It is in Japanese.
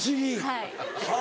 はい。